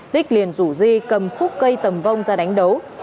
tích liền rủ di cầm khúc cây tầm vong ra đánh đấu